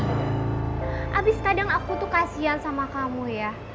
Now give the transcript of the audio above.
habis kadang aku tuh kasian sama kamu ya